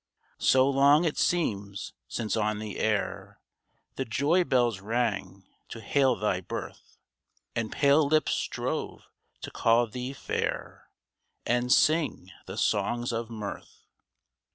So long it seems since on the air The joy bells rang to hail thy birth — And pale lips strove to call thee fair, And sing the songs of mirth